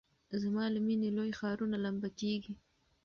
زما له میني لوی ښارونه لمبه کیږي